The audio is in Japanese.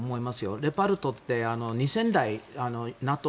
レオパルトって２０００台ＮＡＴＯ